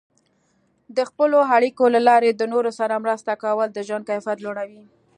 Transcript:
د خپلو اړیکو له لارې د نورو سره مرسته کول د ژوند کیفیت لوړوي.